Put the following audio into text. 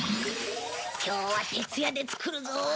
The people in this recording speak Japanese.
今日は徹夜で作るぞ。